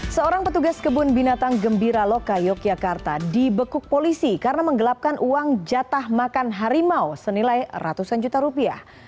seorang petugas kebun binatang gembira loka yogyakarta dibekuk polisi karena menggelapkan uang jatah makan harimau senilai ratusan juta rupiah